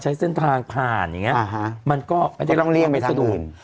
ใช้เส้นทางผ่านอย่างเงี้ยอ่าฮะมันก็ไม่ได้ต้องเรียกไว้ทั้งอื่น